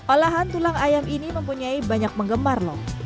olahan tulang ayam ini mempunyai banyak menggemar loh